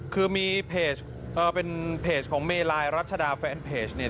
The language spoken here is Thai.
คือมีเพจเป็นเพจของเมลายรัชดาแฟนเพจเนี่ย